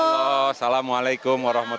halo assalamualaikum wr wb